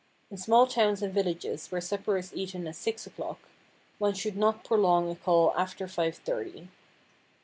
In small towns and villages where supper is eaten at six o'clock, one should not prolong a call after five thirty.